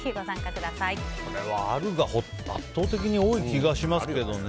これは、あるが圧倒的に多い気がしますけどね。